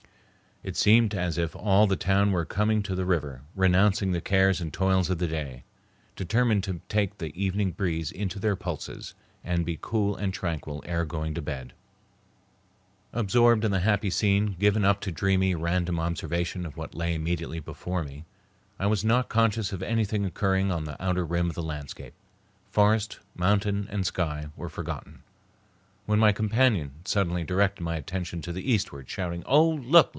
It seemed as if all the town were coming to the river, renouncing the cares and toils of the day, determined to take the evening breeze into their pulses, and be cool and tranquil ere going to bed. Absorbed in the happy scene, given up to dreamy, random observation of what lay immediately before me, I was not conscious of anything occurring on the outer rim of the landscape. Forest, mountain, and sky were forgotten, when my companion suddenly directed my attention to the eastward, shouting, "Oh, look!